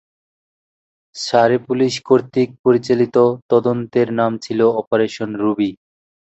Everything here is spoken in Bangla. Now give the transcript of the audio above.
সারে পুলিশ কর্তৃক পরিচালিত, তদন্তের নাম ছিল অপারেশন রুবি।